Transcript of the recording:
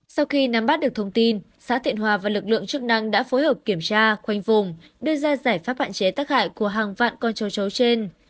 sau khi nắm bắt được thông tin xã thiện hòa và lực lượng chức năng đã phối hợp kiểm tra khoanh vùng đưa ra giải pháp hạn chế tác hại của hàng vạn con châu chấu trên